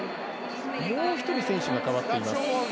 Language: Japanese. もう１人、選手が代わっています。